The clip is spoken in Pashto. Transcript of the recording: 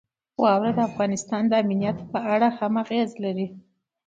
واوره د افغانستان د امنیت په اړه هم اغېز لري.